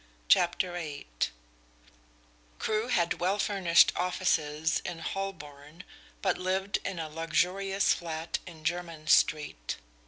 CHAPTER VIII Crewe had well furnished offices in Holborn but lived in a luxurious flat in Jermyn Street.